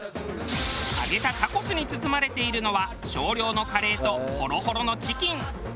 揚げたタコスに包まれているのは少量のカレーとほろほろのチキン。